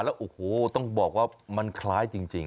เราต้องบอกว่ามันคล้ายจริง